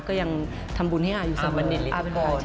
ก็ยังทำบุญให้อายุสมที่บางทีไปคัดเลือก